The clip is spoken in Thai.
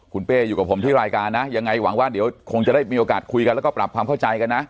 คุณเป้อยู่กับผมที่รายการนะยังไงหวังว่าเดี๋ยวคงจะได้มีโอกาสคุยกันแล้วก็ปรับความเข้าใจกันนะ